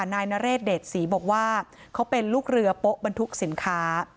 นายนเรศเดชศรีบอกว่าเขาเป็นลูกเรือโป๊ะบรรทุกสินค้า